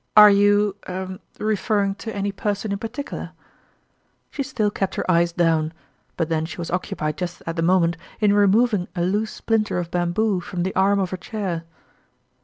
" Are you er referring to any person in particular ?" She still kept her eyes down, but then she was occupied just at the moment in removing a loose splinter of bamboo from the arm of her chair.